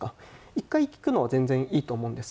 １回聞くのは全然いいと思うんです。